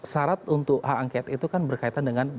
syarat untuk hak angket itu kan berkaitan dengan